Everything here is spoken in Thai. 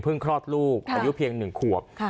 เพิ่งคลอดลูกอายุเพียงหนึ่งขวบ